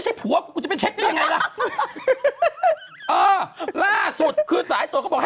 จริงจะไปเช็คกับเขา